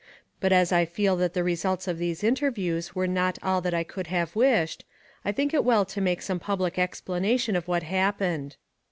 But as I feel that the results of these interviews were not all that I could have wished, I think it well to make some public explanation of what happened.